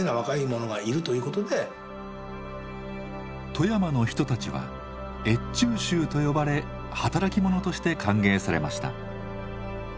富山の人たちは越中衆と呼ばれ働き者として歓迎されました。